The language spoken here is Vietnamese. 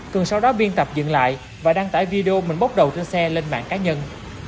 cường sau đó biên tập dựng lại và đăng tải video mình bóc đầu trên xe lên mạng cá nhân